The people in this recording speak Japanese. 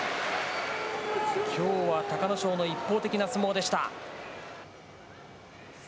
きょうは隆の勝の一方的な相撲でした。